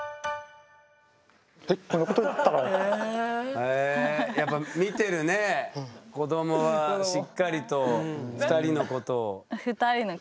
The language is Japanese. へえやっぱ見てるね子どもはしっかりと２人のことを。